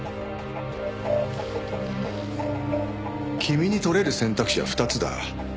君に採れる選択肢は２つだ。